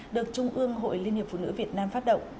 được trung ương hội liên hiệp phụ nữ việt nam phát động